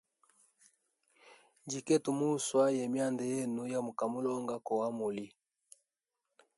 Njkwete muswa ye myanda yemu ya muka mulonga koo wamuli.